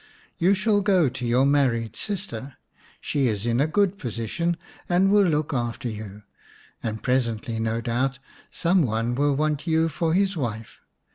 " You shall go to your married sister. She is in a good position and will look after you, and presently, no doubt, some one will want you for his wife.